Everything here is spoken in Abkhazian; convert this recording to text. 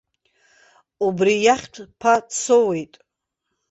Убри иахьтә ԥа дсоуит.